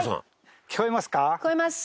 「聞こえます。